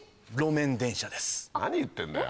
何言ってんだよ。